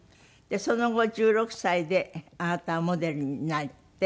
その後１６歳であなたはモデルになって。